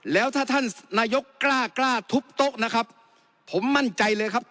แล้วถ้าท่านนายกกล้ากล้าทุบโต๊ะนะครับผมมั่นใจเลยครับ